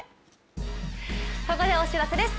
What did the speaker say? ここでお知らせです。